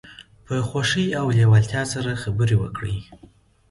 په خوښۍ او لیوالتیا سره خبرې وکړئ.